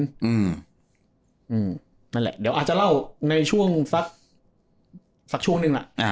อืมอืมนั่นแหละเดี๋ยวอาจจะเล่าในช่วงสักสักช่วงหนึ่งล่ะอ่า